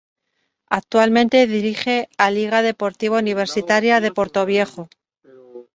Actualmente dirige a Liga Deportiva Universitaria de Portoviejo.